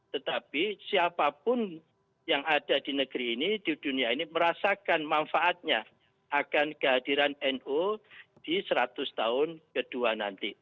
tetapi siapapun yang ada di negeri ini di dunia ini merasakan manfaatnya akan kehadiran nu di seratus tahun kedua nanti